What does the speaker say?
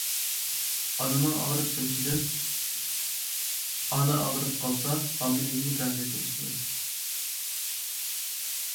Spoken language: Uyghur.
ئانىنىڭ ئاغرىپ قېلىشىدىن: ئانا ئاغرىپ قالسا، ھامىلىگىمۇ تەسىر كۆرسىتىدۇ.